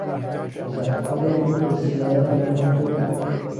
تذکر او بسیار به موقع بود.